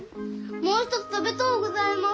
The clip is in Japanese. もう一つ食べとうございます。